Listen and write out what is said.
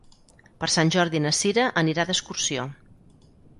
Per Sant Jordi na Sira anirà d'excursió.